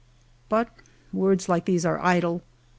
But words like these are idle.